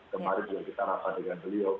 kemarin juga kita rapat dengan beliau